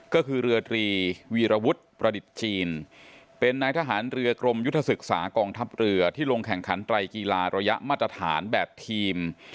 ก็คือเรือตรีวีรวุฒิประดิษฐ์จีนเป็นนายทหารเรือกรมยุทธศึกษากองทัพเรือที่ลงแข่งขันไตรกีฬาระยะมาตรฐานแบบทีม